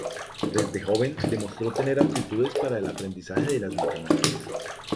Desde joven demostró tener aptitudes para el aprendizaje de las matemáticas.